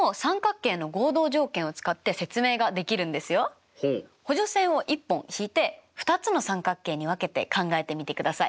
そうなんですけどこれも補助線を１本引いて２つの三角形に分けて考えてみてください。